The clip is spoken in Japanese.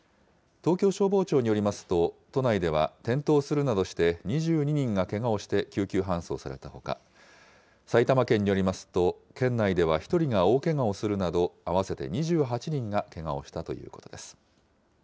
東京消防庁によりますと、都内では転倒するなどして２２人がけがをして、救急搬送されたほか、埼玉県によりますと、県内では１人が大けがをするなど、合わせて２８人がけがをしたということです。